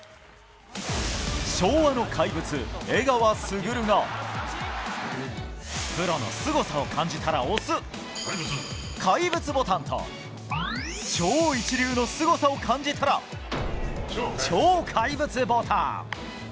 昭和の怪物・江川卓がプロのすごさを感じたら押す怪物ボタンと超一流のすごさを感じたら超怪物ボタン。